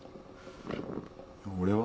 俺は？